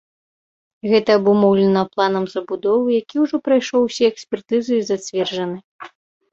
Гэта абумоўлена планам забудовы, які ўжо прайшоў усе экспертызы і зацверджаны.